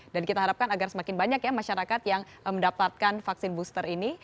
dan kita harapkan agar semakin banyak ya masyarakat yang mendapatkan vaksin booster ini